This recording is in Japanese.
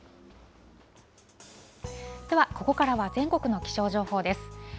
ではここからは全国の気象情報です。